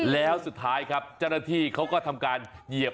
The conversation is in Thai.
แล้วสุดท้ายครับจรฐีเขาก็ทำการเหยียบ